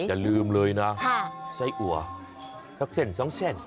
อย่าลืมเลยนะใช้อัวสักเส้นสองเส้น